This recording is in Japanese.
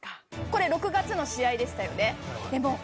これ６月の試合でしたよねでもう。